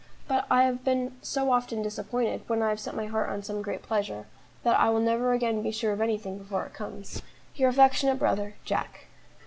But I have been so often disappointed when I have set my heart on some great pleasure, that I will never again be sure of anything before it comes. "Your affectionate brother, "JACK."